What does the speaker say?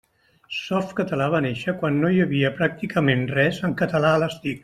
Softcatalà va néixer quan no hi havia pràcticament res en català a les TIC.